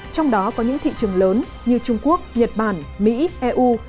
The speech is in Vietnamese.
trong đó có những thị trường lớn như trung quốc nhật bản mỹ eu